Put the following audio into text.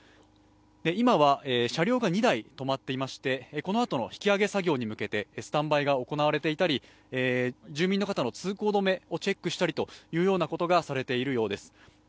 今は車両が２台止まっていまして、このあとの引き揚げ作業に向けてスタンバイが行われていたり住民の方の通行止めをチェックされていたりしているようです。